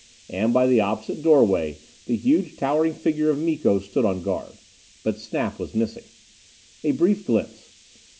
And by the opposite doorway, the huge towering figure of Miko stood on guard. But Snap was missing. A brief glimpse.